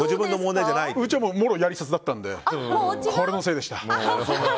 うちは、もろ槍殺だったのでこれのせいでした。